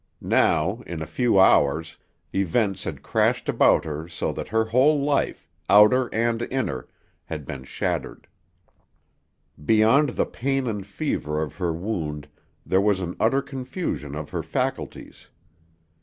Now, in a few hours, events had crashed about her so that her whole life, outer and inner, had been shattered. Beyond the pain and fever of her wound there was an utter confusion of her faculties.